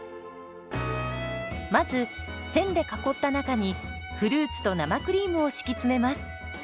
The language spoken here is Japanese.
まず線で囲った中にフルーツと生クリームを敷き詰めます。